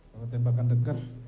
kalau tembakan dekat